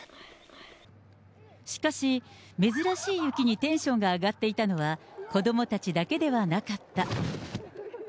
しかし、珍しい雪にテンションが上がっていたのは、子どもたちだけではなかった。